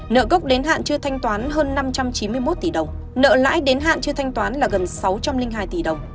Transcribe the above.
nợ gốc đến hạn chưa thanh toán hơn năm trăm chín mươi một tỷ đồng nợ lãi đến hạn chưa thanh toán là gần sáu trăm linh hai tỷ đồng